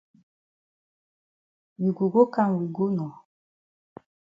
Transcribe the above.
You go go kam we go nor.